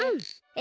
え